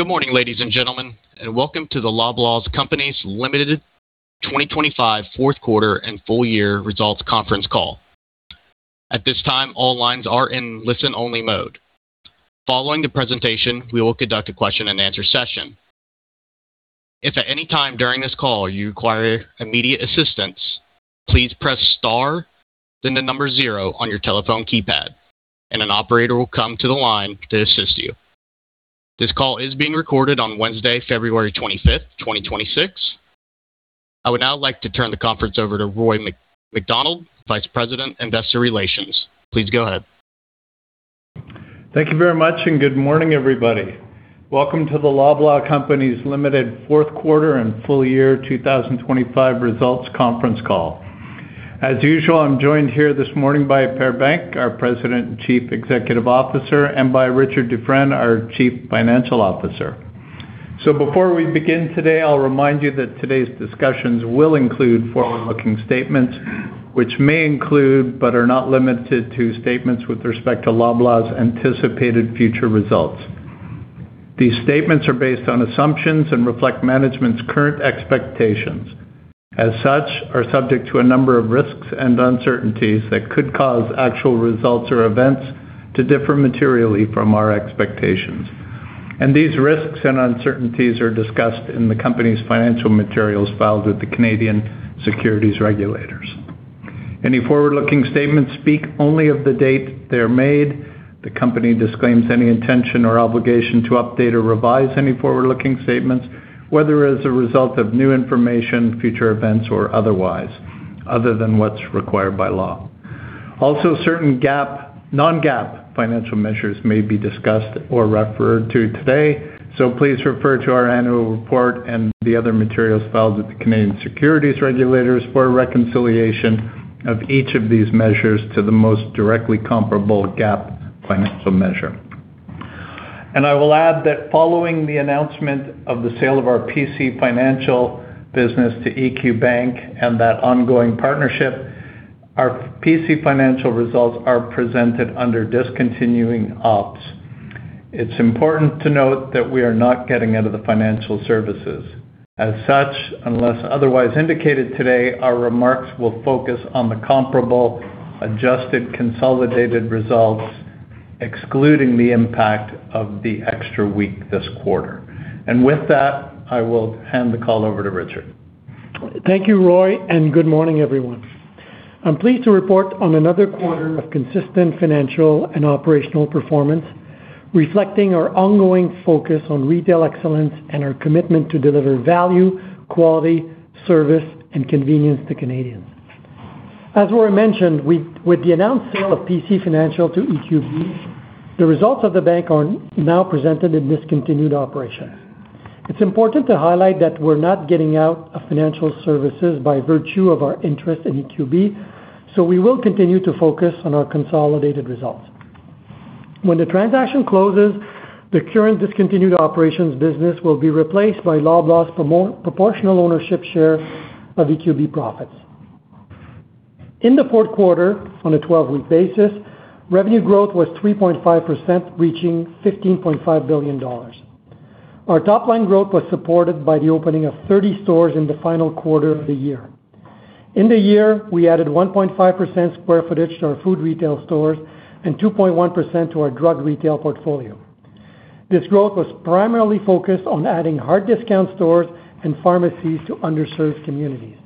Good morning, ladies and gentlemen, welcome to the Loblaw Companies Limited 2025 Fourth Quarter and Full Year Results Conference Call. At this time, all lines are in listen-only mode. Following the presentation, we will conduct a question and answer session. If at any time during this call you require immediate assistance, please press star, then zero on your telephone keypad, an operator will come to the line to assist you. This call is being recorded on Wednesday, February 25th, 2026. I would now like to turn the conference over to Roy MacDonald, Vice President, Investor Relations. Please go ahead. Thank you very much. Good morning, everybody. Welcome to the Loblaw Companies Limited Fourth Quarter and Full Year 2025 Results Conference Call. As usual, I'm joined here this morning by Per Bank, our President and Chief Executive Officer, and by Richard Dufresne, our Chief Financial Officer. Before we begin today, I'll remind you that today's discussions will include forward-looking statements, which may include, but are not limited to, statements with respect to Loblaw's anticipated future results. These statements are based on assumptions and reflect management's current expectations. As such, are subject to a number of risks and uncertainties that could cause actual results or events to differ materially from our expectations. These risks and uncertainties are discussed in the company's financial materials filed with the Canadian Securities Administrators. Any forward-looking statements speak only of the date they are made. The company disclaims any intention or obligation to update or revise any forward-looking statements, whether as a result of new information, future events, or otherwise, other than what's required by law. Certain GAAP, non-GAAP financial measures may be discussed or referred to today. Please refer to our annual report and the other materials filed with the Canadian Securities Administrators for a reconciliation of each of these measures to the most directly comparable GAAP financial measure. I will add that following the announcement of the sale of our PC Financial business to EQ Bank and that ongoing partnership, our PC Financial results are presented under discontinuing ops. It's important to note that we are not getting out of the financial services. As such, unless otherwise indicated today, our remarks will focus on the comparable, adjusted, consolidated results, excluding the impact of the extra week this quarter. With that, I will hand the call over to Richard. Thank you, Roy. Good morning, everyone. I'm pleased to report on another quarter of consistent financial and operational performance, reflecting our ongoing focus on retail excellence and our commitment to deliver value, quality, service, and convenience to Canadians. As Roy mentioned, with the announced sale of PC Financial to EQB, the results of the bank are now presented in discontinued operations. It's important to highlight that we're not getting out of financial services by virtue of our interest in EQB. We will continue to focus on our consolidated results. When the transaction closes, the current discontinued operations business will be replaced by Loblaw's proportional ownership share of EQB profits. In the fourth quarter, on a 12-week basis, revenue growth was 3.5%, reaching 15.5 billion dollars. Our top line growth was supported by the opening of 30 stores in the final quarter of the year. In the year, we added 1.5% square footage to our food retail stores and 2.1% to our drug retail portfolio. This growth was primarily focused on adding hard discount stores and pharmacies to underserved communities.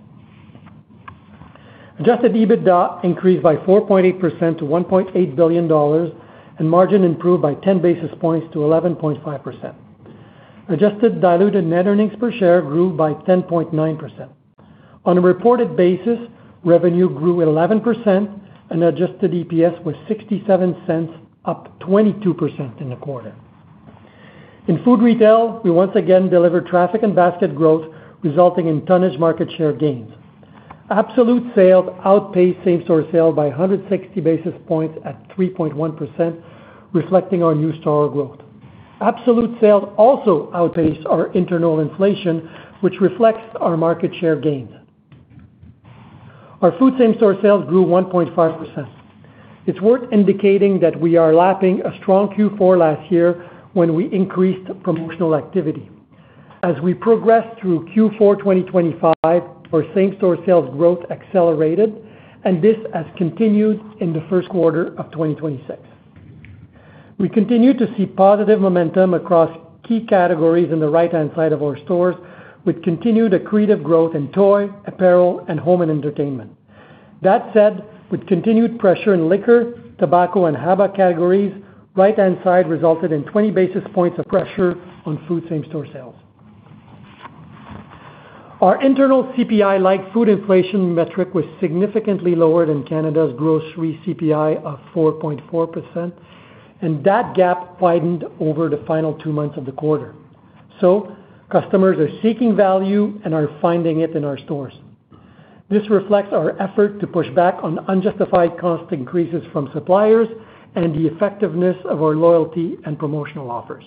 Adjusted EBITDA increased by 4.8% to 1.8 billion dollars, and margin improved by 10 basis points to 11.5%. Adjusted diluted net earnings per share grew by 10.9%. On a reported basis, revenue grew at 11% and adjusted EPS was 0.67, up 22% in the quarter. In food retail, we once again delivered traffic and basket growth, resulting in tonnage market share gains. Absolute sales outpaced same-store sales by 160 basis points at 3.1%, reflecting our new store growth. Absolute sales also outpaced our internal inflation, which reflects our market share gains. Our food same-store sales grew 1.5%. It's worth indicating that we are lapping a strong Q4 last year when we increased promotional activity. As we progressed through Q4, 2025, our same-store sales growth accelerated, and this has continued in the first quarter of 2026. We continue to see positive momentum across key categories in the right-hand side of our stores, with continued accretive growth in toy, apparel, and home and entertainment. That said, with continued pressure in liquor, tobacco, and HABA categories, right-hand side resulted in 20 basis points of pressure on food same-store sales. Our internal CPI, like food inflation metric, was significantly lower than Canada's grocery CPI of 4.4%, and that gap widened over the final two months of the quarter. Customers are seeking value and are finding it in our stores. This reflects our effort to push back on unjustified cost increases from suppliers and the effectiveness of our loyalty and promotional offers.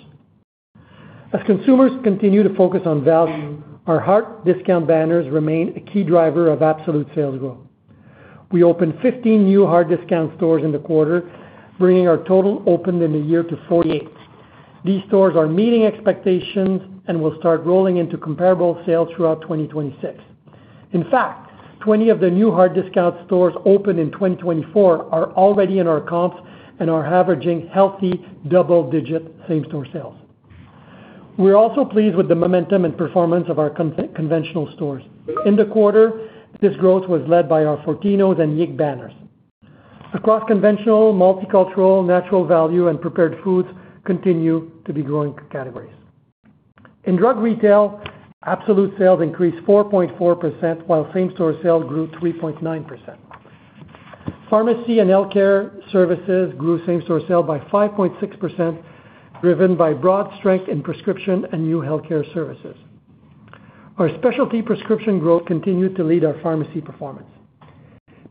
As consumers continue to focus on value, our hard discount banners remain a key driver of absolute sales growth. We opened 15 new hard discount stores in the quarter, bringing our total opened in the year to 48. These stores are meeting expectations and will start rolling into comparable sales throughout 2026. In fact, 20 of the new hard discount stores opened in 2024 are already in our comps and are averaging healthy double-digit same-store sales. We're also pleased with the momentum and performance of our conventional stores. In the quarter, this growth was led by our Fortinos and YIG banners. Across conventional, multicultural, natural value, and prepared foods continue to be growing categories. In drug retail, absolute sales increased 4.4%, while same-store sales grew 3.9%. Pharmacy and healthcare services grew same-store sales by 5.6%, driven by broad strength in prescription and new healthcare services. Our specialty prescription growth continued to lead our pharmacy performance.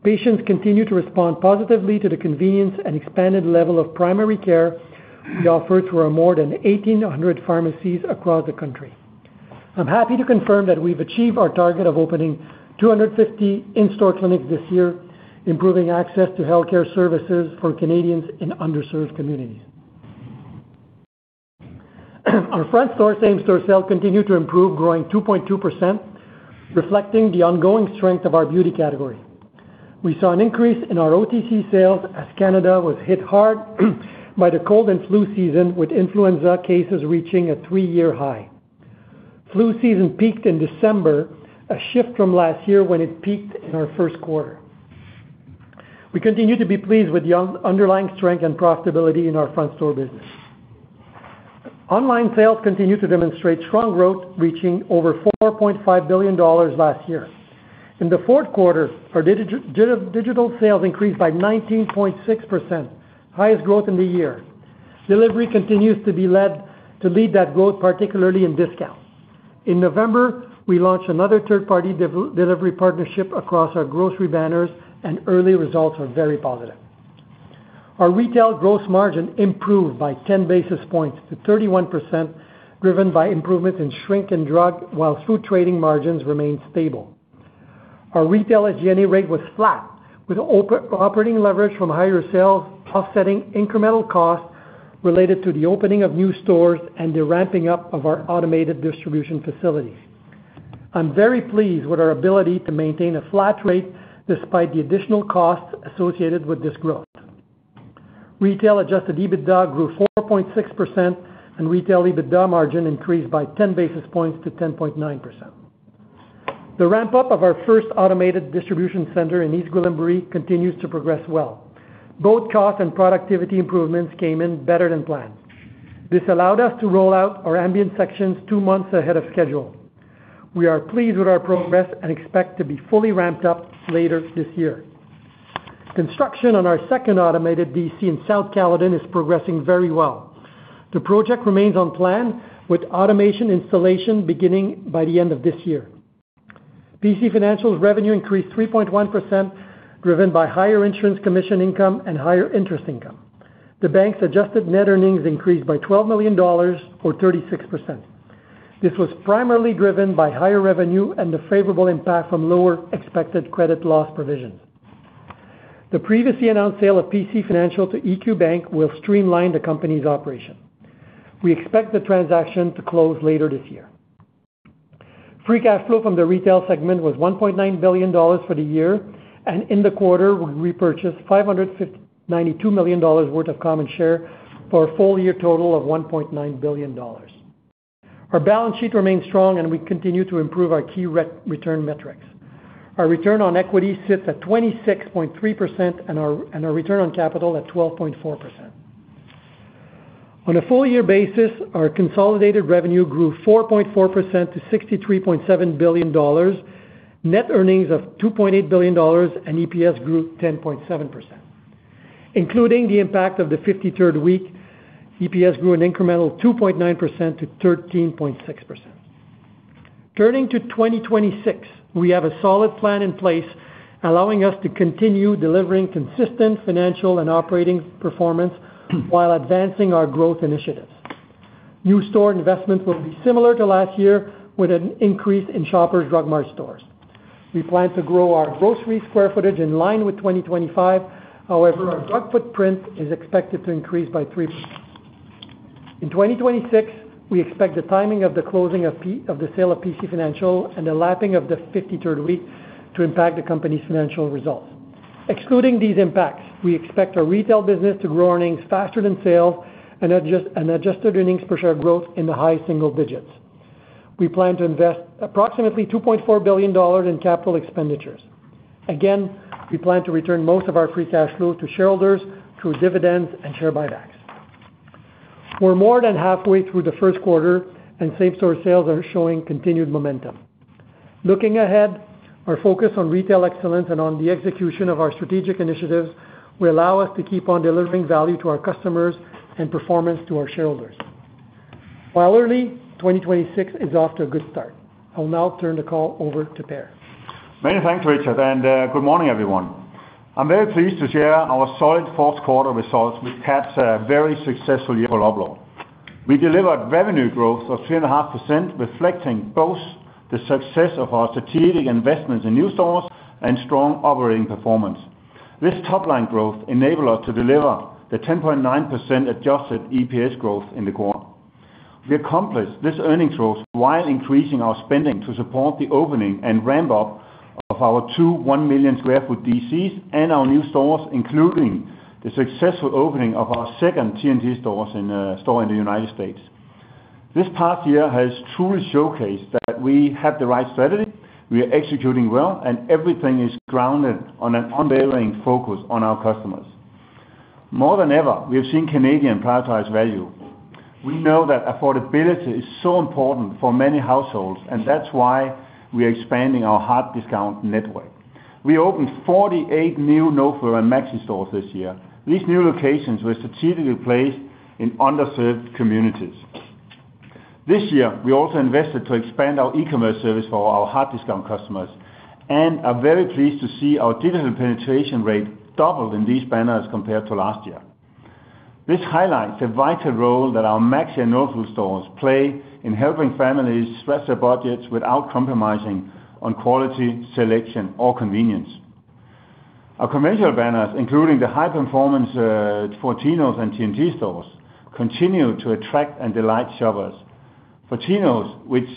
Patients continue to respond positively to the convenience and expanded level of primary care we offer to our more than 1,800 pharmacies across the country. I'm happy to confirm that we've achieved our target of opening 250 in-store clinics this year, improving access to healthcare services for Canadians in underserved communities. Our front store same-store sales continued to improve, growing 2.2%, reflecting the ongoing strength of our beauty category. We saw an increase in our OTC sales as Canada was hit hard by the cold and flu season, with influenza cases reaching a three-year high. Flu season peaked in December, a shift from last year when it peaked in our first quarter. We continue to be pleased with the underlying strength and profitability in our front store business. Online sales continue to demonstrate strong growth, reaching over 4.5 billion dollars last year. In the fourth quarter, our digital sales increased by 19.6%, highest growth in the year. Delivery continues to lead that growth, particularly in discounts. In November, we launched another third-party delivery partnership across our grocery banners. Early results are very positive. Our retail gross margin improved by 10 basis points to 31%, driven by improvements in shrink and drug, while food trading margins remained stable. Our retail SG&A rate was flat, with operating leverage from higher sales, offsetting incremental costs related to the opening of new stores and the ramping up of our automated distribution facilities. I'm very pleased with our ability to maintain a flat rate despite the additional costs associated with this growth. Retail adjusted EBITDA grew 4.6%, and retail EBITDA margin increased by 10 basis points to 10.9%. The ramp-up of our first automated distribution center in East Gwillimbury continues to progress well. Both cost and productivity improvements came in better than planned. This allowed us to roll out our ambient sections two months ahead of schedule. We are pleased with our progress and expect to be fully ramped up later this year. Construction on our second automated DC in South Caledon is progressing very well. The project remains on plan, with automation installation beginning by the end of this year. PC Financial's revenue increased 3.1%, driven by higher insurance commission income and higher interest income. The bank's adjusted net earnings increased by 12 million dollars, or 36%. This was primarily driven by higher revenue and the favorable impact from lower expected credit loss provisions. The previously announced sale of PC Financial to EQ Bank will streamline the company's operation. We expect the transaction to close later this year. Free cash flow from the retail segment was 1.9 billion dollars for the year. In the quarter, we repurchased 592 million dollars worth of common share for a full year total of 1.9 billion dollars. Our balance sheet remains strong. We continue to improve our key return metrics. Our return on equity sits at 26.3% and our return on capital at 12.4%. On a full year basis, our consolidated revenue grew 4.4% to 63.7 billion dollars, net earnings of 2.8 billion dollars, and EPS grew 10.7%. Including the impact of the 53rd week, EPS grew an incremental 2.9% to 13.6%. Turning to 2026, we have a solid plan in place, allowing us to continue delivering consistent financial and operating performance while advancing our growth initiatives. New store investments will be similar to last year, with an increase in Shoppers Drug Mart stores. We plan to grow our grocery square footage in line with 2025. However, our drug footprint is expected to increase by three. In 2026, we expect the timing of the closing of the sale of PC Financial and the lapping of the 53rd week to impact the company's financial results. Excluding these impacts, we expect our retail business to grow earnings faster than sales and adjusted earnings per share growth in the high single digits. We plan to invest approximately 2.4 billion dollars in capital expenditures. We plan to return most of our free cash flow to shareholders through dividends and share buybacks. We're more than halfway through the first quarter, and same-store sales are showing continued momentum. Looking ahead, our focus on retail excellence and on the execution of our strategic initiatives will allow us to keep on delivering value to our customers and performance to our shareholders. While early, 2026 is off to a good start. I will now turn the call over to Per. Many thanks, Richard, and, good morning, everyone. I'm very pleased to share our solid fourth quarter results, which caps a very successful year for Loblaw. We delivered revenue growth of 3.5%, reflecting both the success of our strategic investments in new stores and strong operating performance. This top-line growth enabled us to deliver the 10.9% adjusted EPS growth in the quarter. We accomplished this earnings growth while increasing our spending to support the opening and ramp-up of our two 1 million sq ft DCs and our new stores, including the successful opening of our second T&T store in the United States. This past year has truly showcased that we have the right strategy, we are executing well, and everything is grounded on an unwavering focus on our customers. More than ever, we have seen Canadians prioritize value. We know that affordability is so important for many households, and that's why we are expanding our hard discount network. We opened 48 new No Frills and Maxi stores this year. These new locations were strategically placed in underserved communities. This year, we also invested to expand our e-commerce service for our hard discount customers, and are very pleased to see our digital penetration rate doubled in these banners compared to last year. This highlights the vital role that our Maxi and No Frills stores play in helping families stretch their budgets without compromising on quality, selection, or convenience. Our commercial banners, including the high-performance Fortinos and T&T stores, continue to attract and delight shoppers. Fortinos, which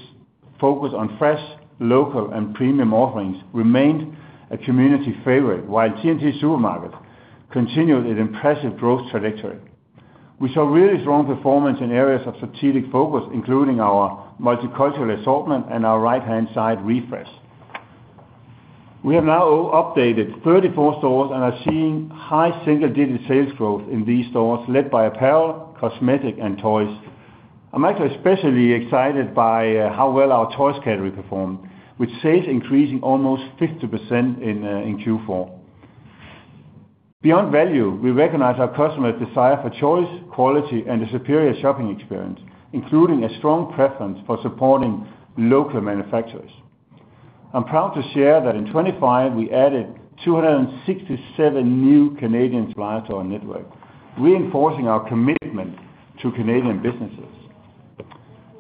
focus on fresh, local, and premium offerings, remained a community favorite, while T&T Supermarket continued its impressive growth trajectory. We saw really strong performance in areas of strategic focus, including our multicultural assortment and our right-hand side refresh. We have now updated 34 stores and are seeing high single-digit sales growth in these stores, led by apparel, cosmetic, and toys. I'm actually especially excited by how well our toys category performed, with sales increasing almost 50% in Q4. Beyond value, we recognize our customers' desire for choice, quality, and a superior shopping experience, including a strong preference for supporting local manufacturers. I'm proud to share that in 2025, we added 267 new Canadian suppliers to our network, reinforcing our commitment to Canadian businesses.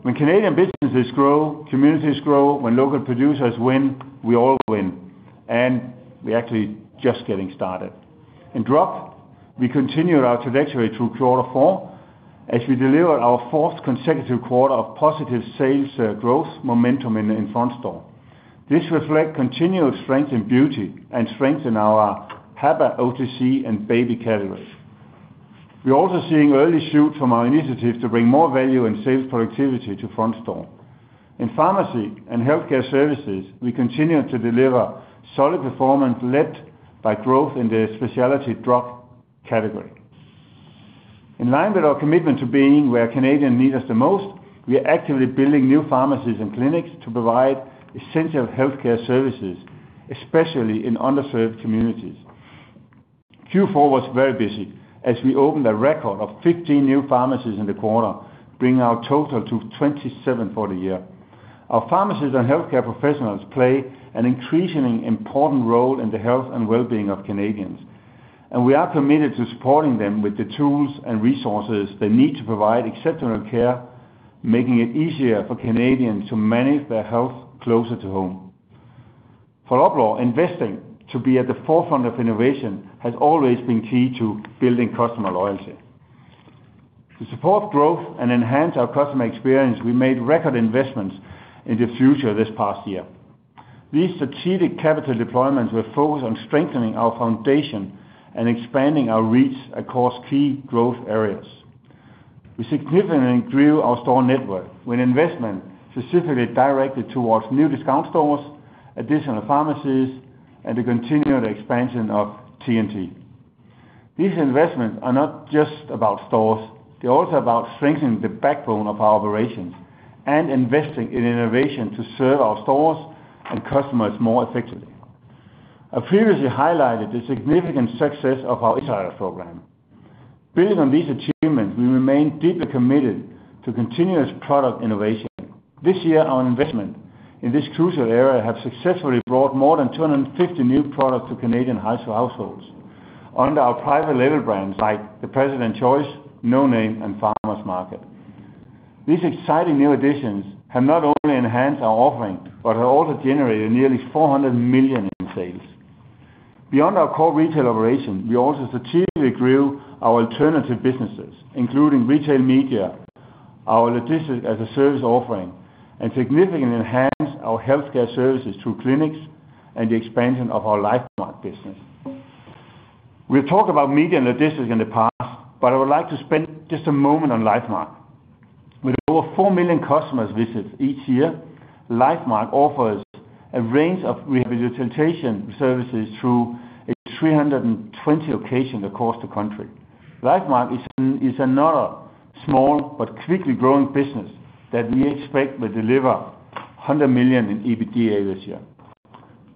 When Canadian businesses grow, communities grow. When local producers win, we all win, and we're actually just getting started. In drop, we continued our trajectory through quarter four, as we delivered our fourth consecutive quarter of positive sales growth momentum in front store. This reflect continued strength in beauty and strength in our HABA OTC and baby categories. We're also seeing early shoot from our initiative to bring more value and sales productivity to front store. In pharmacy and healthcare services, we continue to deliver solid performance, led by growth in the specialty drug category. In line with our commitment to being where Canadians need us the most, we are actively building new pharmacies and clinics to provide essential healthcare services, especially in underserved communities. Q4 was very busy, as we opened a record of 15 new pharmacies in the quarter, bringing our total to 27 for the year. Our pharmacists and healthcare professionals play an increasingly important role in the health and well-being of Canadians, and we are committed to supporting them with the tools and resources they need to provide exceptional care, making it easier for Canadians to manage their health closer to home. For Loblaw, investing to be at the forefront of innovation has always been key to building customer loyalty. To support growth and enhance our customer experience, we made record investments in the future this past year. These strategic capital deployments were focused on strengthening our foundation and expanding our reach across key growth areas. We significantly grew our store network with investment specifically directed towards new discount stores, additional pharmacies, and the continued expansion of T&T. These investments are not just about stores, they're also about strengthening the backbone of our operations and investing in innovation to serve our stores and customers more effectively. I previously highlighted the significant success of our insider program. Building on these achievements, we remain deeply committed to continuous product innovation. This year, our investment in this crucial area have successfully brought more than 250 new products to Canadian households under our private label brands, like President's Choice, no name, and Farmer's Market. These exciting new additions have not only enhanced our offering, but have also generated nearly 400 million in sales. Beyond our core retail operation, we also strategically grew our alternative businesses, including retail media, our logistics as a service offering, and significantly enhanced our healthcare services through clinics and the expansion of our Lifemark business. We've talked about media and logistics in the past. I would like to spend just a moment on Lifemark. With over 4 million customers visits each year, Lifemark offers a range of rehabilitation services through 320 locations across the country. Lifemark is another small but quickly growing business that we expect will deliver 100 million in EBITDA this year.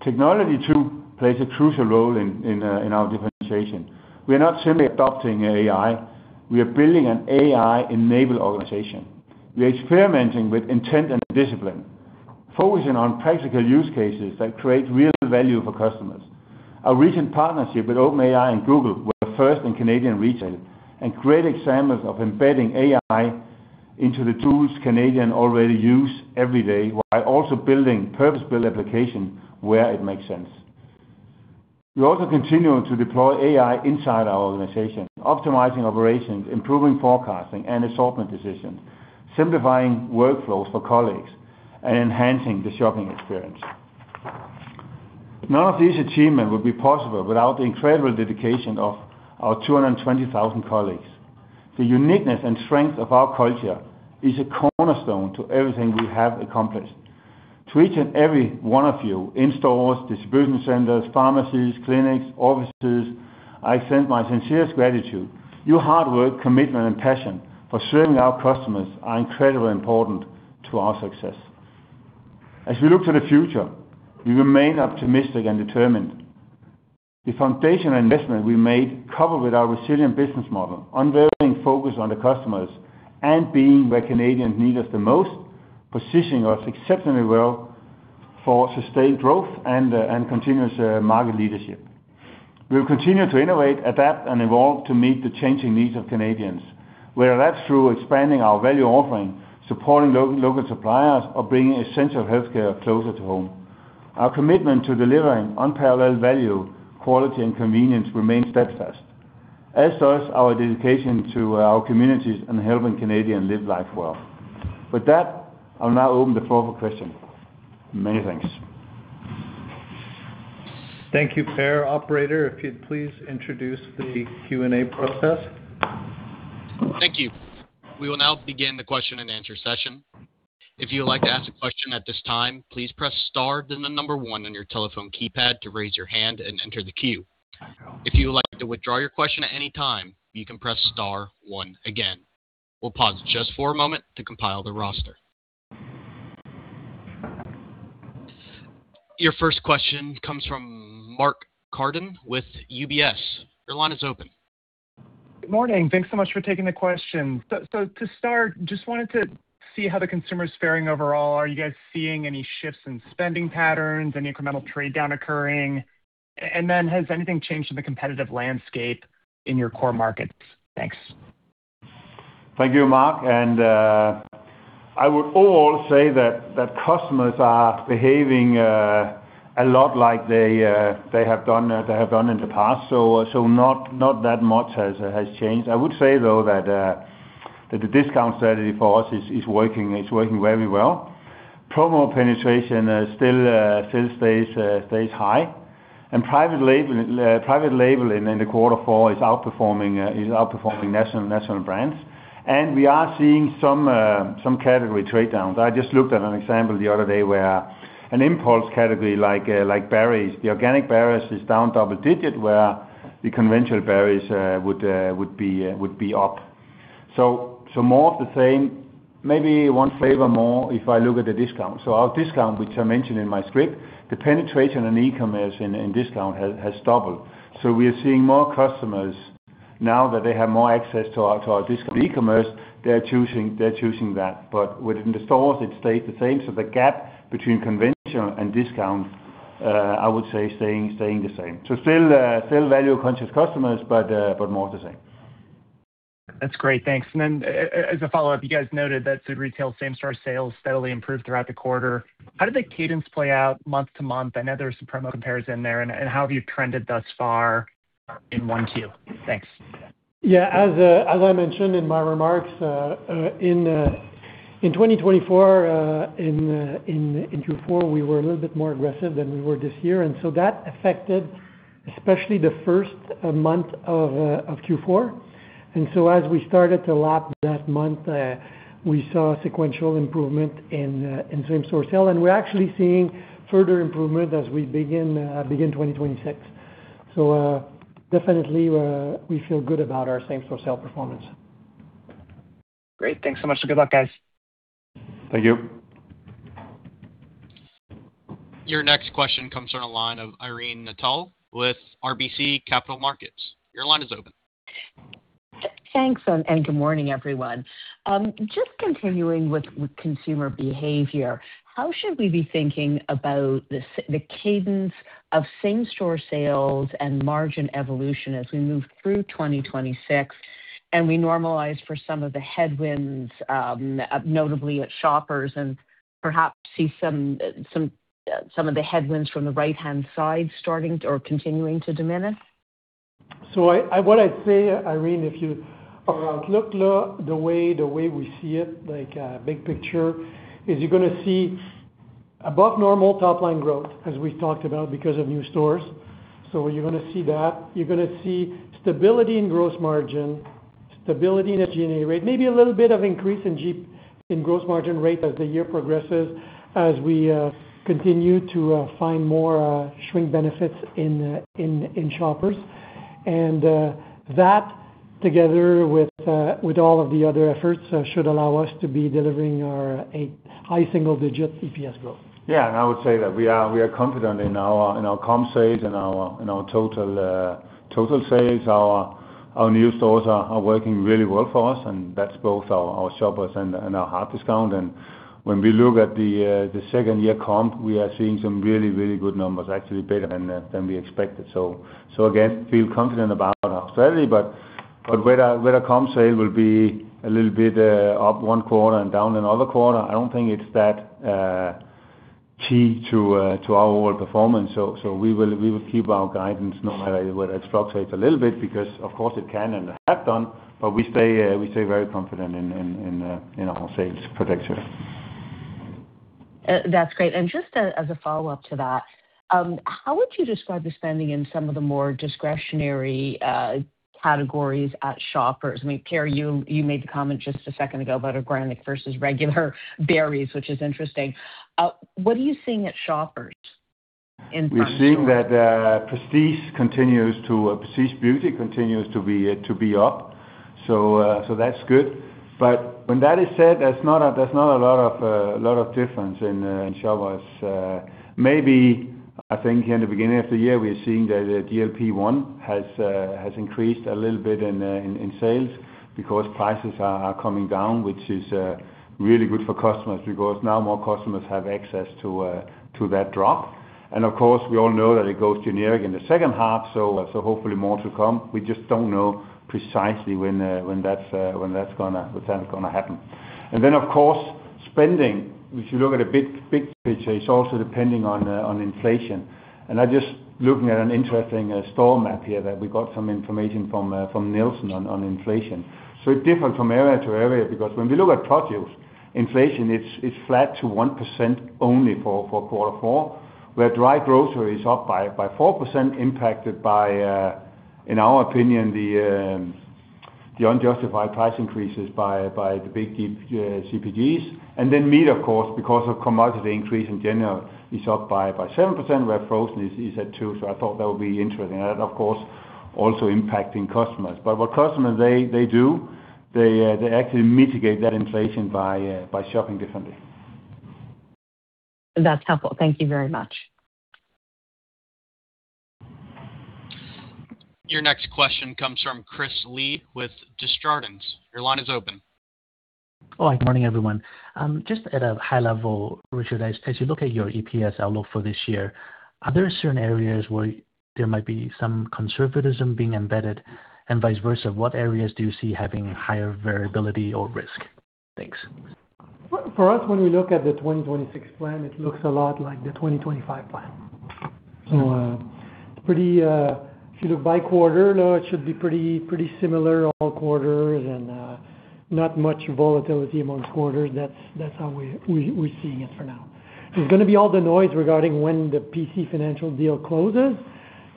Technology, too, plays a crucial role in our differentiation. We are not simply adopting AI, we are building an AI-enabled organization. We are experimenting with intent and discipline. Focusing on practical use cases that create real value for customers. Our recent partnership with OpenAI and Google were first in Canadian retail, and great examples of embedding AI into the tools Canadian already use every day, while also building purpose-built application where it makes sense. We also continue to deploy AI inside our organization, optimizing operations, improving forecasting and assortment decisions, simplifying workflows for colleagues, and enhancing the shopping experience. None of these achievements would be possible without the incredible dedication of our 220,000 colleagues. The uniqueness and strength of our culture is a cornerstone to everything we have accomplished. To each and every one of you in stores, distribution centers, pharmacies, clinics, offices, I extend my sincerest gratitude. Your hard work, commitment, and passion for serving our customers are incredibly important to our success. We look to the future, we remain optimistic and determined. The foundational investment we made, coupled with our resilient business model, unwavering focus on the customers, and being where Canadians need us the most, positioning us exceptionally well for sustained growth and continuous market leadership. We'll continue to innovate, adapt, and evolve to meet the changing needs of Canadians, whether that's through expanding our value offering, supporting local suppliers, or bringing essential healthcare closer to home. Our commitment to delivering unparalleled value, quality, and convenience remains steadfast, as does our dedication to our communities and helping Canadians live life well. With that, I'll now open the floor for questions. Many thanks. Thank you, Per. Operator, if you'd please introduce the Q&A process. Thank you. We will now begin the question-and-answer session. If you would like to ask a question at this time, please press star, then the number one on your telephone keypad to raise your hand and enter the queue. If you would like to withdraw your question at any time, you can press star one again. We'll pause just for a moment to compile the roster. Your first question comes from Mark Carden with UBS. Your line is open. Good morning. Thanks so much for taking the question. To start, just wanted to see how the consumer is faring overall. Are you guys seeing any shifts in spending patterns, any incremental trade down occurring? Has anything changed in the competitive landscape in your core markets? Thanks. Thank you, Mark, and I would all say that customers are behaving a lot like they have done in the past, so not that much has changed. I would say, though, that the discount strategy for us is working, it's working very well. Promo penetration still stays high, and private label in the quarter four is outperforming national brands. We are seeing some category trade downs. I just looked at an example the other day where an impulse category like berries, the organic berries is down double digit, where the conventional berries would be up. More of the same, maybe one flavor more if I look at the discount. Our discount, which I mentioned in my script, the penetration in e-commerce and discount has doubled. We are seeing more customers now that they have more access to our, to our discount e-commerce, they're choosing that. But within the stores, it stays the same. The gap between conventional and discount, I would say, staying the same. Still, still value-conscious customers, but more the same. That's great. Thanks. Then as a follow-up, you guys noted that food retail same-store sales steadily improved throughout the quarter. How did the cadence play out month-to-month? I know there are some promo comparison there, and how have you trended thus far in Q1, Q2? Thanks. Yeah, as I mentioned in my remarks, in 2024, in Q4, we were a little bit more aggressive than we were this year. That affected especially the first month of Q4. As we started to lap that month, we saw sequential improvement in same-store sale. We're actually seeing further improvement as we begin 2026. Definitely, we feel good about our same-store sale performance. Great. Thanks so much, so good luck, guys. Thank you. Your next question comes from the line of Irene Nattel with RBC Capital Markets. Your line is open. Thanks, and good morning, everyone. Just continuing with consumer behavior, how should we be thinking about the cadence of same-store sales and margin evolution as we move through 2026, and we normalize for some of the headwinds, notably at Shoppers, and perhaps see some of the headwinds from the right-hand side starting or continuing to diminish? What I'd say, Irene, if you look, the way, the way we see it, like, big picture, is you're gonna see above normal top line growth, as we've talked about, because of new stores. You're gonna see that. You're gonna see stability in gross margin, stability in the GNA rate, maybe a little bit of increase in gross margin rate as the year progresses, as we continue to find more shrink benefits in Shoppers, and that together with all of the other efforts, should allow us to be delivering our a high single-digit EPS growth. I would say that we are confident in our comp sales, in our total sales. Our new stores are working really well for us, and that's both our Shoppers and our hard discount. When we look at the second-year comp, we are seeing some really good numbers, actually better than we expected. Again, feel confident about our strategy, whether comp sale will be a little bit up one quarter and down another quarter, I don't think it's that key to our overall performance. We will keep our guidance no matter whether it fluctuates a little bit, because of course, it can and have done. We stay very confident in our sales projection. That's great. Just as a follow-up to that, how would you describe the spending in some of the more discretionary categories at Shoppers? I mean, Per, you made the comment just a second ago about organic versus regular berries, which is interesting. What are you seeing at Shoppers in terms of. We're seeing that prestige beauty continues to be up. That's good. When that is said, there's not a lot of difference in Shoppers. Maybe I think in the beginning of the year, we're seeing that GLP-1 has increased a little bit in sales because prices are coming down, which is really good for customers, because now more customers have access to that drug. Of course, we all know that it goes generic in the second half, so hopefully more to come. We just don't know precisely when that's gonna happen. Of course, spending, if you look at a big, big picture, is also depending on inflation. I just looking at an interesting store map here, that we got some information from Nielsen on inflation. It's different from area to area, because when we look at produce, inflation, it's flat to 1% only for Q4, where dry grocery is up by 4%, impacted by in our opinion, the unjustified price increases by the big CPGs. Meat, of course, because of commodity increase in general, is up by 7%, where frozen is at 2%. I thought that would be interesting, and that, of course, also impacting customers. What customers they do, they actually mitigate that inflation by shopping differently. That's helpful. Thank you very much. Your next question comes from Chris Li with Desjardins. Your line is open. All right, good morning, everyone. Just at a high level, Richard, as you look at your EPS outlook for this year, are there certain areas where there might be some conservatism being embedded? Vice versa, what areas do you see having higher variability or risk? Thanks. For us, when we look at the 2026 plan, it looks a lot like the 2025 plan. It's pretty, if you look by quarter, no, it should be pretty similar all quarters and not much volatility amongst quarters. That's how we're seeing it for now. There's gonna be all the noise regarding when the PC Financial deal closes,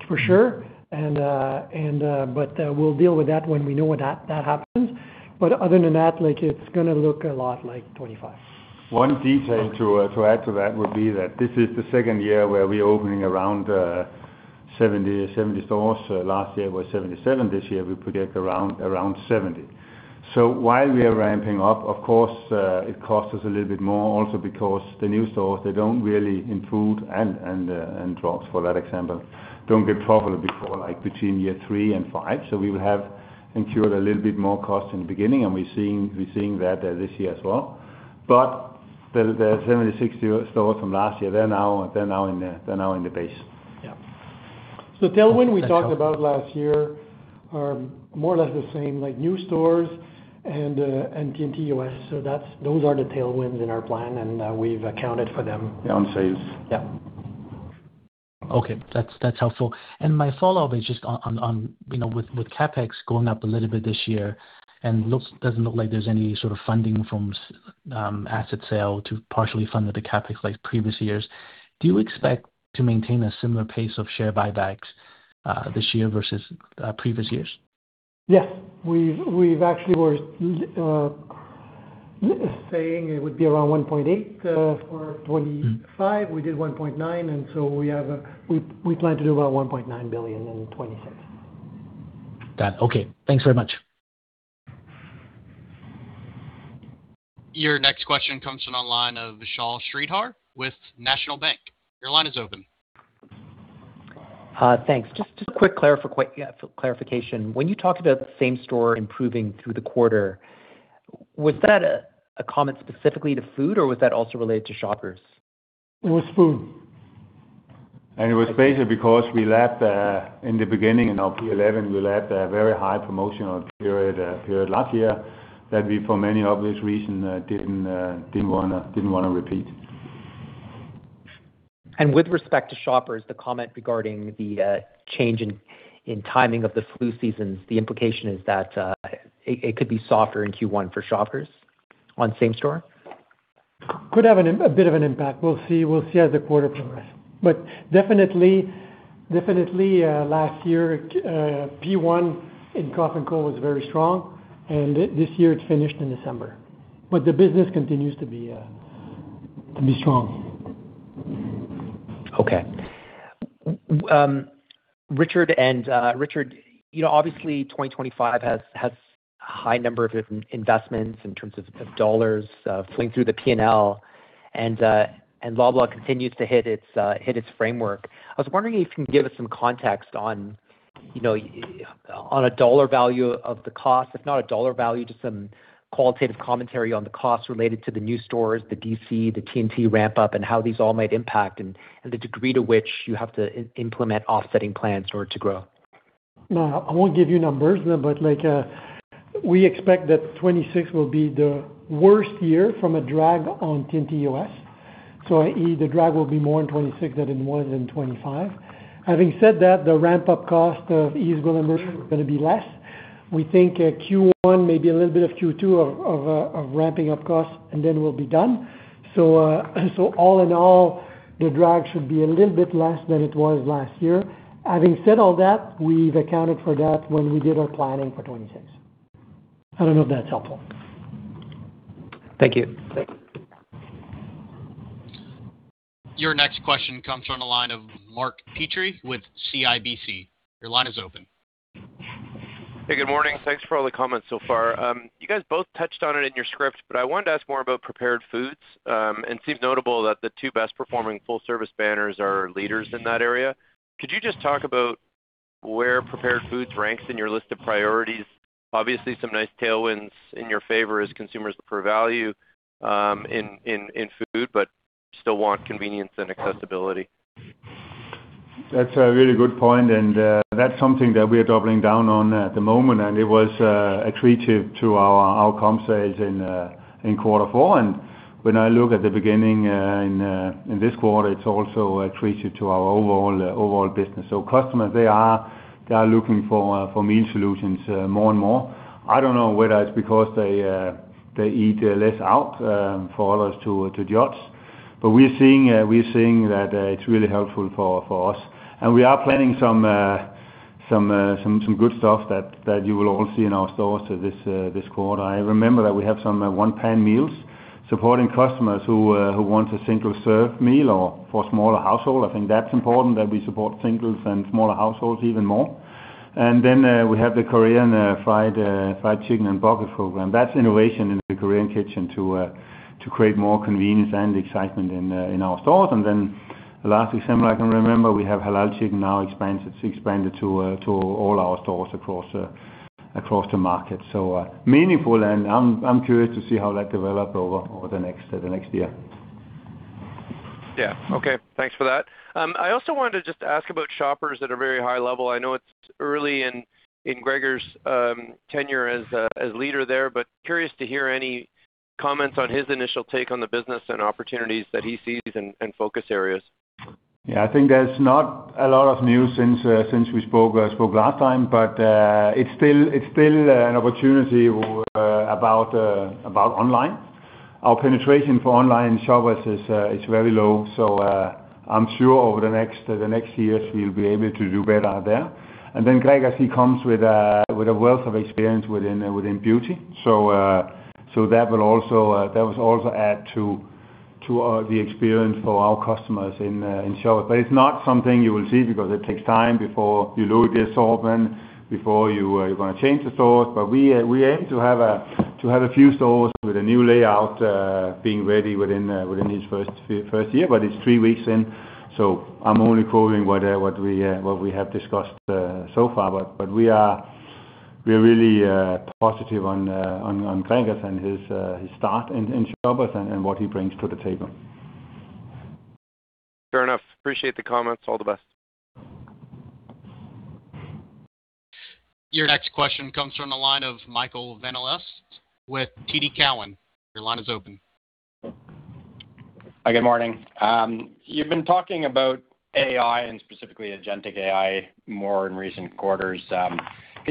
for sure, and we'll deal with that when we know when that happens. Other than that, like, it's gonna look a lot like 2025. One detail to add to that would be that this is the second year where we're opening around 70 stores. Last year was 77. This year, we project around 70. While we are ramping up, of course, it costs us a little bit more also because the new stores, they don't really improve and drops, for that example, don't get properly before, like between year three and five. We will have incurred a little bit more cost in the beginning, and we're seeing that this year as well. The 76 stores from last year, they're now in the base. Yeah. Tailwind we talked about last year are more or less the same, like new stores and T&T U.S. Those are the tailwinds in our plan, and we've accounted for them. Yeah, on sales. Yeah. Okay, that's helpful. My follow-up is just on, you know, with CapEx going up a little bit this year and doesn't look like there's any sort of funding from asset sale to partially fund the CapEx like previous years. Do you expect to maintain a similar pace of share buybacks this year versus previous years? Yes. We've actually were saying it would be around 1.8 million for 2025. Mm-hmm. We did 1.9 billion, and so we plan to do about 1.9 billion in 2026. Got it. Okay, thanks very much. Your next question comes from the line of Vishal Shreedhar with National Bank. Your line is open. Thanks. Just a quick clarification. When you talk about the same store improving through the quarter, was that a comment specifically to food, or was that also related to shoppers? It was food. It was basically because we lapped, in the beginning, in our P11, we lapped a very high promotional period last year that we, for many obvious reasons, didn't wanna repeat. With respect to Shoppers, the comment regarding the change in timing of the flu seasons, the implication is that it could be softer in Q1 for Shoppers on same store? Could have a bit of an impact. We'll see as the quarter progress. Definitely, last year, P1 in cough and cold was very strong, and this year it finished in December. The business continues to be strong. Okay. Richard and Richard, you know, obviously, 2025 has a high number of investments in terms of dollars flowing through the P&L, and Loblaw continues to hit its framework. I was wondering if you can give us some context on, you know, on a dollar value of the cost, if not a dollar value, just some qualitative commentary on the costs related to the new stores, the DC, the T&T ramp-up, and how these all might impact, and the degree to which you have to implement offsetting plans in order to grow. I won't give you numbers, but like, we expect that 2026 will be the worst year from a drag on T&T Supermarket U.S. i.e., the drag will be more in 2026 than in 2025. Having said that, the ramp-up cost of e-commerce is going to be less. We think, Q1, maybe a little bit of Q2 of ramping up costs, and then we'll be done. All in all, the drag should be a little bit less than it was last year. Having said all that, we've accounted for that when we did our planning for 2026. I don't know if that's helpful. Thank you. Thank you. Your next question comes from the line of Mark Petrie with CIBC. Your line is open. Hey, good morning. Thanks for all the comments so far. You guys both touched on it in your script, but I wanted to ask more about prepared foods. It seems notable that the two best-performing full-service banners are leaders in that area. Could you just talk about where prepared foods ranks in your list of priorities? Obviously, some nice tailwinds in your favor as consumers prefer value, in food, but still want convenience and accessibility. That's a really good point, and that's something that we are doubling down on at the moment, and it was accretive to our outcome sales in quarter four. When I look at the beginning in this quarter, it's also accretive to our overall business. Customers, they are looking for meal solutions more and more. I don't know whether it's because they eat less out for others to judge. We're seeing that it's really helpful for us. We are planning some good stuff that you will all see in our stores this quarter. I remember that we have some one-pan meals, supporting customers who want a single-serve meal or for smaller household. I think that's important that we support singles and smaller households even more. We have the Korean fried chicken and bucket program. That's innovation in the Korean kitchen to create more convenience and excitement in our stores. The last example I can remember, we have halal chicken now expanded, it's expanded to all our stores across the market. Meaningful, and I'm curious to see how that develop over the next year. Yeah. Okay, thanks for that. I also wanted to just ask about Shoppers at a very high level. I know it's early in Gregor's tenure as leader there, but curious to hear any comments on his initial take on the business and opportunities that he sees and focus areas. I think there's not a lot of news since since we spoke spoke last time, it's still it's still an opportunity about about online. Our penetration for online shoppers is very low, I'm sure over the next the next years, we'll be able to do better there. Gregor, he comes with a with a wealth of experience within within beauty. So that will also that will also add to to the experience for our customers in Shoppers. It's not something you will see because it takes time before you load the assortment, before you you're gonna change the stores. We aim to have a few stores with a new layout, being ready within his first year, but it's three weeks in, so I'm only quoting what we have discussed so far. We are, we're really positive on Gregor and his start in Shoppers and what he brings to the table. Fair enough. Appreciate the comments. All the best. Your next question comes from the line of Michael Van Aelst with TD Cowen. Your line is open. Hi, good morning. You've been talking about AI, and specifically agentic AI, more in recent quarters. Can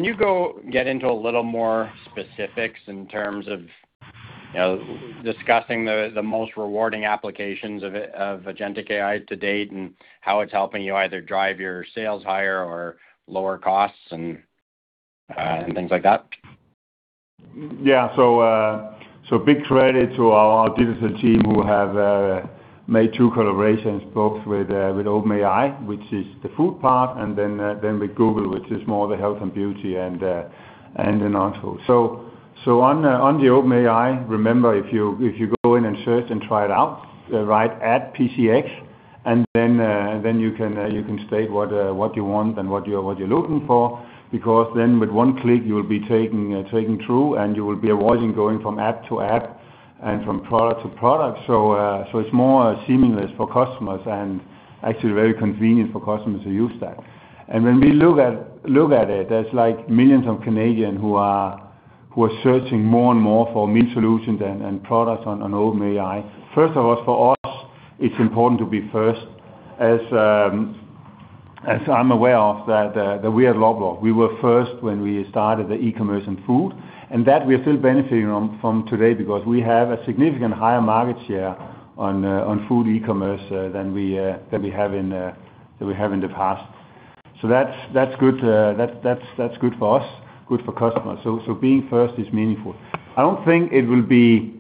you go get into a little more specifics in terms of, you know, discussing the most rewarding applications of it, of agentic AI to date, and how it's helping you either drive your sales higher or lower costs and things like that? Yeah. Big credit to our digital team, who have made two collaborations, both with OpenAI, which is the food part, and then with Google, which is more the health and beauty and the non-food. On the OpenAI, remember, if you, if you go in and search and try it out, write @PCX, and then you can state what you want and what you're, what you're looking for, because then with one click, you will be taken through, and you will be avoiding going from app to app and from product to product. It's more seamless for customers and actually very convenient for customers to use that. When we look at it, there's like millions of Canadians who are searching more and more for meal solutions and products on OpenAI. First of all, for us, it's important to be first, as I'm aware of that we are Loblaw. We were first when we started the e-commerce in food, and that we are still benefiting from today because we have a significant higher market share on food e-commerce than we have in the past. That's good, that's good for us, good for customers. Being first is meaningful. I don't think it will be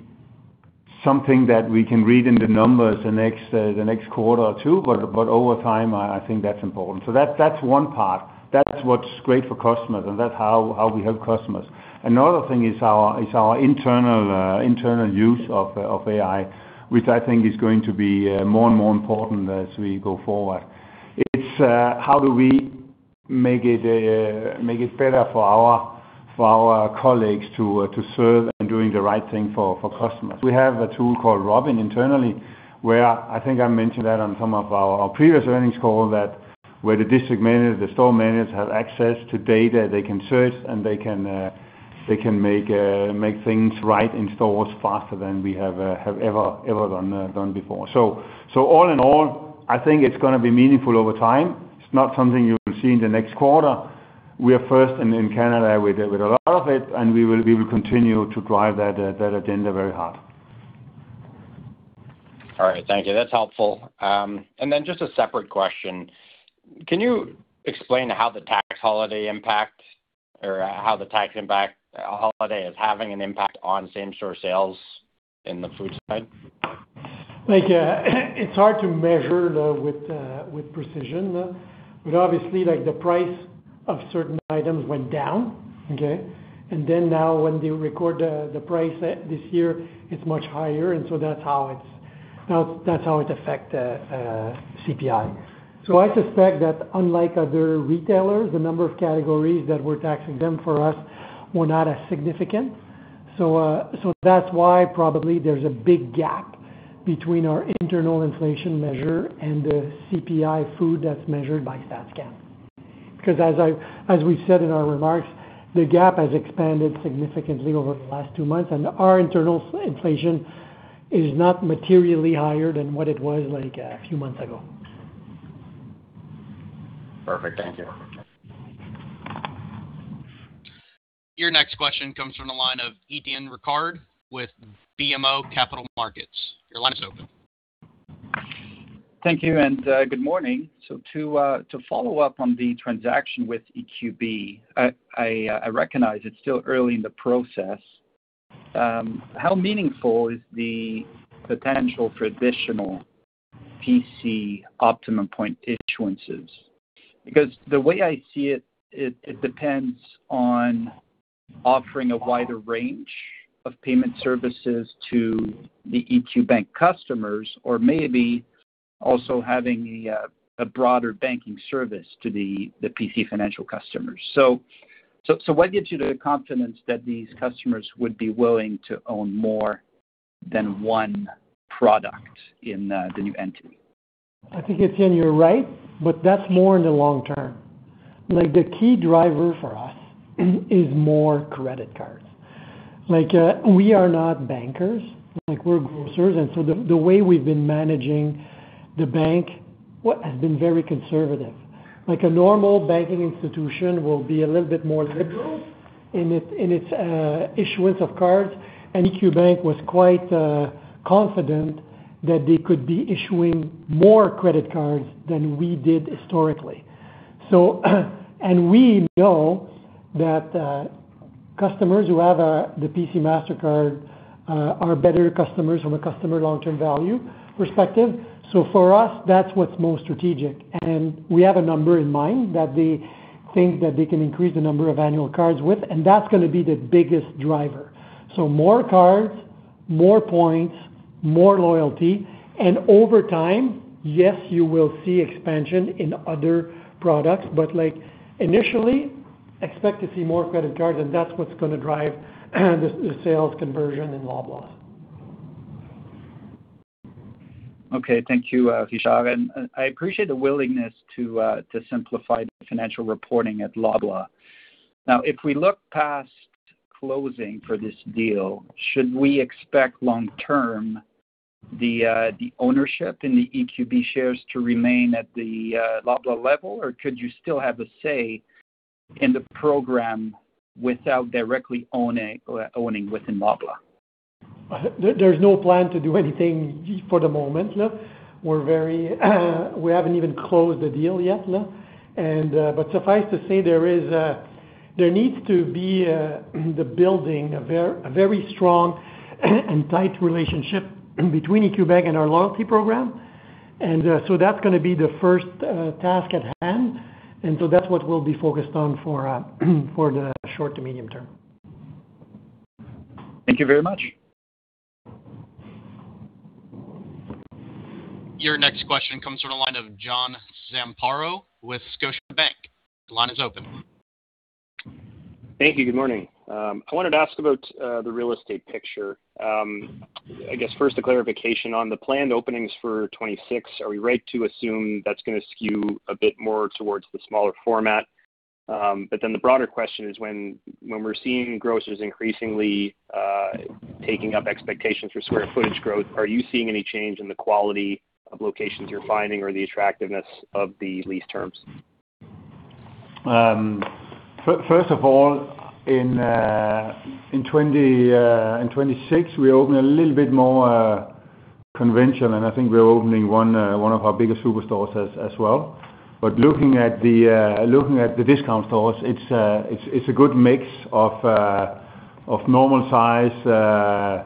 something that we can read in the numbers the next quarter or two, but over time, I think that's important. That's one part. That's what's great for customers, and that's how we help customers. Another thing is our internal use of AI, which I think is going to be more and more important as we go forward. It's how do we make it make it better for our colleagues to serve and doing the right thing for customers? We have a tool called Robyn internally, where I think I mentioned that on some of our previous earnings call, that where the district manager, the store managers have access to data they can search, and they can make things right in stores faster than we have ever done before. All in all, I think it's gonna be meaningful over time. It's not something you'll see in the next quarter. We are first in Canada with a lot of it, and we will continue to drive that agenda very hard. All right. Thank you. That's helpful. Just a separate question. Can you explain how the tax impact holiday is having an impact on same store sales in the food side? It's hard to measure the, with precision. Obviously, like, the price of certain items went down, okay? Now when they record the price this year, it's much higher, and so that's how it's, that's how it affect the, CPI. I suspect that unlike other retailers, the number of categories that we're taxing them for us were not as significant. That's why probably there's a big gap between our internal inflation measure and the CPI food that's measured by Statistics Canada. As we said in our remarks, the gap has expanded significantly over the last two months, and our internal inflation is not materially higher than what it was like a few months ago. Perfect. Thank you. Your next question comes from the line of Étienne Ricard with BMO Capital Markets. Your line is open. Thank you, and good morning. To follow up on the transaction with EQB, I recognize it's still early in the process. How meaningful is the potential for additional PC Optimum point issuances? Because the way I see it depends on offering a wider range of payment services to the EQ Bank customers, or maybe also having a broader banking service to the PC Financial customers. What gives you the confidence that these customers would be willing to own more than one product in the new entity? I think, Étienne, you're right, but that's more in the long term. The key driver for us, is more credit cards. We are not bankers, like, we're grocers, and so the way we've been managing the bank has been very conservative. A normal banking institution will be a little bit more liberal in its issuance of cards, and EQ Bank was quite confident that they could be issuing more credit cards than we did historically. And we know that customers who have the PC Mastercard are better customers from a customer long-term value perspective. For us, that's what's most strategic, and we have a number in mind that they think that they can increase the number of annual cards with, and that's gonna be the biggest driver. More cards, more points, more loyalty, and over time, yes, you will see expansion in other products, but like initially, expect to see more credit cards, and that's what's going to drive the sales conversion in Loblaw. Okay. Thank you, Richard. I appreciate the willingness to simplify the financial reporting at Loblaw. If we look past closing for this deal, should we expect long term the ownership in the EQB shares to remain at the Loblaw level, or could you still have a say in the program without directly owning within Loblaw? There, there's no plan to do anything for the moment, look. We haven't even closed the deal yet, look. But suffice to say, there is, there needs to be the building a very strong and tight relationship between EQ Bank and our loyalty program. So that's gonna be the first task at hand, and so that's what we'll be focused on for the short to medium term. Thank you very much. Your next question comes from the line of John Zamparo with Scotiabank. Line is open. Thank you. Good morning. I wanted to ask about the real estate picture. I guess first a clarification on the planned openings for 2026, are we right to assume that's gonna skew a bit more towards the smaller format? The broader question is, when we're seeing grocers increasingly taking up expectations for square footage growth, are you seeing any change in the quality of locations you're finding or the attractiveness of the lease terms? First of all, in 2026, we opened a little bit more conventional, and I think we're opening one of our biggest superstores as well. Looking at the, looking at the discount stores, it's a, it's a good mix of normal size,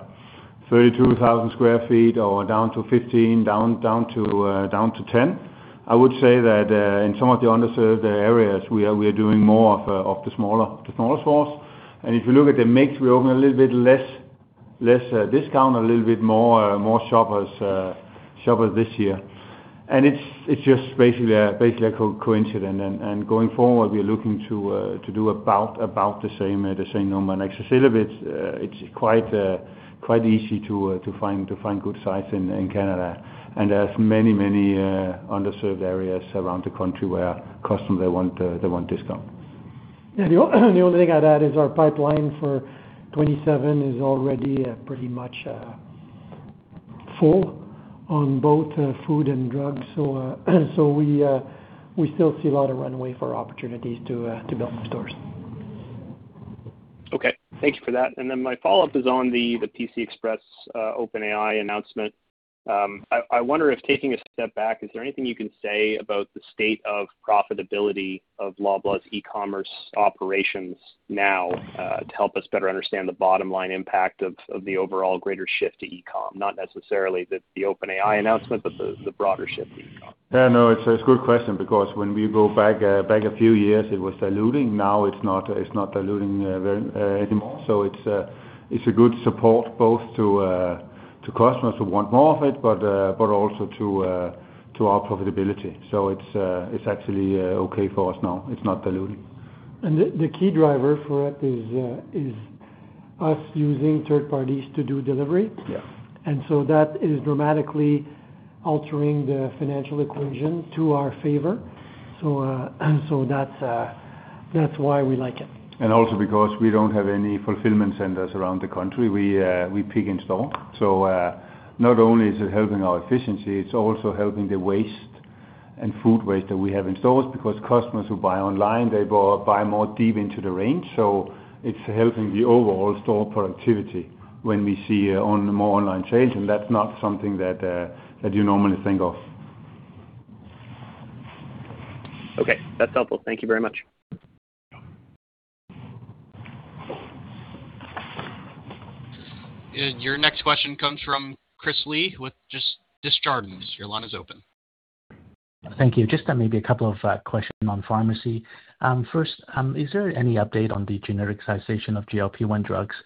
32,000 sq ft or down to 15, down to 10. I would say that in some of the underserved areas, we're doing more of the smaller stores. If you look at the mix, we open a little bit less discount, a little bit more Shoppers this year. It's just basically a coincident. Going forward, we are looking to do about the same number. Next, it's a little bit, it's quite easy to find good sites in Canada. There are many underserved areas around the country where customers, they want discount. Yeah, the only thing I'd add is our pipeline for 2027 is already pretty much full on both food and drugs. We still see a lot of runway for opportunities to build more stores. Okay. Thank you for that. My follow-up is on the PC Express OpenAI announcement. I wonder if taking a step back, is there anything you can say about the state of profitability of Loblaw's e-commerce operations now, to help us better understand the bottom line impact of the overall greater shift to e-com? Not necessarily the OpenAI announcement, but the broader shift to e-com. Yeah, no, it's a good question because when we go back a few years, it was diluting. Now, it's not, it's not diluting, very, anymore. It's a, it's a good support both to customers who want more of it, but also to our profitability. It's, it's actually, okay for us now. It's not diluting. The key driver for it is us using third parties to do delivery. Yeah. That is dramatically altering the financial equation to our favor. That's why we like it. Also because we don't have any fulfillment centers around the country. We pick in store. Not only is it helping our efficiency, it's also helping the waste and food waste that we have in stores, because customers who buy online, they buy more deep into the range. It's helping the overall store productivity when we see more online sales, and that's not something that you normally think of. Okay, that's helpful. Thank you very much. Your next question comes from Chris Li, with just Desjardins. Your line is open. Thank you. Just maybe a couple of questions on pharmacy. First, is there any update on the genericization of GLP-1 drugs?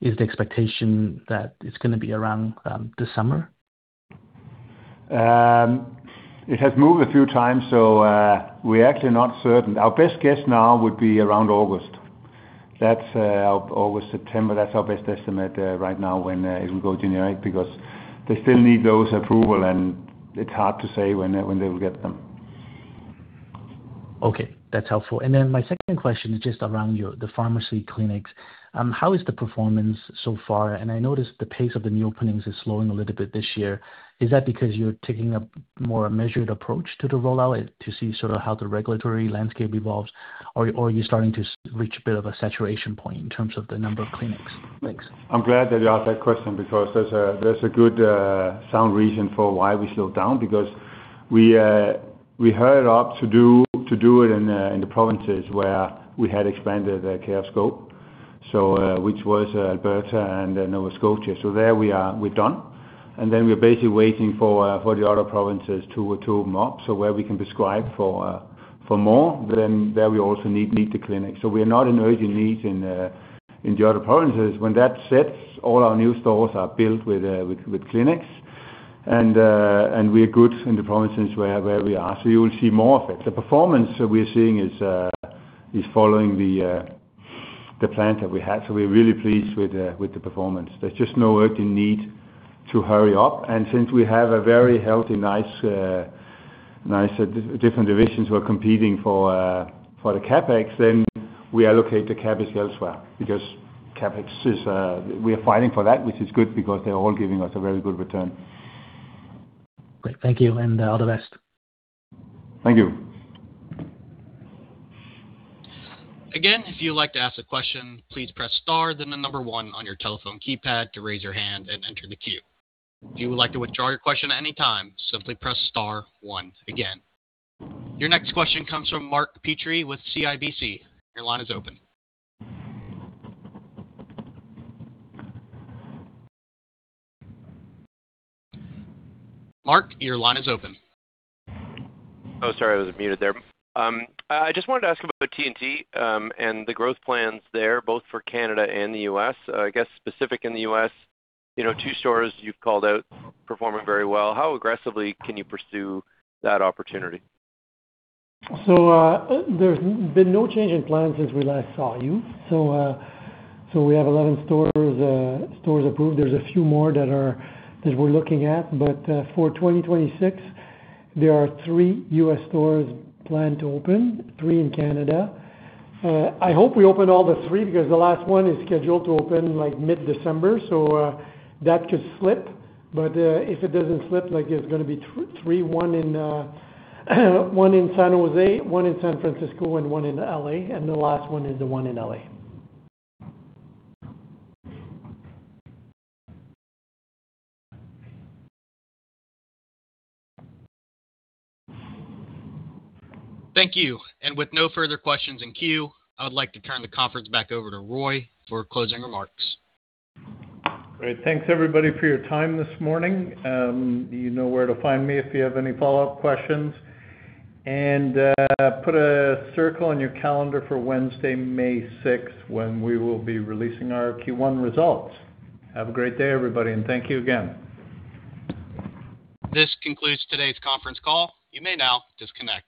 Is the expectation that it's gonna be around this summer? It has moved a few times, so we're actually not certain. Our best guess now would be around August. That's August, September, that's our best estimate right now, when it will go generic, because they still need those approval, and it's hard to say when they will get them. Okay, that's helpful. My second question is just around your, the pharmacy clinics. How is the performance so far? I noticed the pace of the new openings is slowing a little bit this year. Is that because you're taking a more measured approach to the rollout to see sort of how the regulatory landscape evolves? Or are you starting to reach a bit of a saturation point in terms of the number of clinics? Thanks. I'm glad that you asked that question because there's a good sound reason for why we slowed down, because we hurried up to do it in the provinces where we had expanded the care scope, which was Alberta and Nova Scotia. There we're done. We're basically waiting for the other provinces to open up. Where we can prescribe for more, then there we also need the clinic. We are not an urgent need in the other provinces. When that sets, all our new stores are built with clinics. We're good in the provinces where we are. You will see more of it. The performance we're seeing is following the plan that we had. We're really pleased with the, with the performance. There's just no urgent need to hurry up. Since we have a very healthy, nice, different divisions who are competing for the CapEx, then we allocate the CapEx elsewhere, because CapEx is. We are fighting for that, which is good, because they're all giving us a very good return. Great. Thank you, and all the best. Thank you. Again, if you'd like to ask a question, please press star, then the number one on your telephone keypad to raise your hand and enter the queue. If you would like to withdraw your question at any time, simply press star one again. Your next question comes from Mark Petrie with CIBC. Your line is open. Mark, your line is open. Oh, sorry, I was muted there. I just wanted to ask about T&T, and the growth plans there, both for Canada and the U.S. I guess, specific in the U.S., you know, two stores you've called out performing very well. How aggressively can you pursue that opportunity? There's been no change in plans since we last saw you. We have 11 stores approved. There's a few more that we're looking at, but for 2026, there are three U.S. stores planned to open, three in Canada. I hope we open all the three, because the last one is scheduled to open, like, mid-December, so that could slip. If it doesn't slip, like, it's gonna be three, one in San José, one in San Francisco, and one in L.A., and the last one is the one in L.A. Thank you. With no further questions in queue, I would like to turn the conference back over to Roy for closing remarks. Great. Thanks, everybody, for your time this morning. you know where to find me if you have any follow-up questions. Put a circle on your calendar for Wednesday, May 6th, when we will be releasing our Q1 results. Have a great day, everybody, and thank you again. This concludes today's conference call. You may now disconnect.